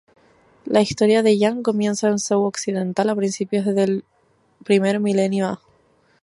La historia de Yan comienza en Zhou Occidental a principios del I milenio a.